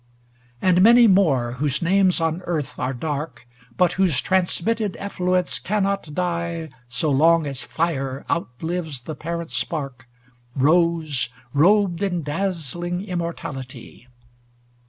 XLVI And many more, whose names on earth are dark But whose transmitted effluence cannot die So long as fire outlives the parent spark, Rose, robed in dazzling immortality.